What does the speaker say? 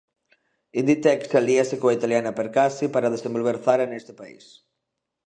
Inditex alíase coa italiana Percassi para desenvolver Zara neste país